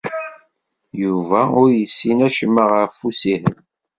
Yuba ur yessin acemma ɣef ussihel.